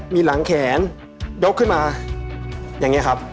มีหลังแขนยกขึ้นมาอย่างนี้ครับ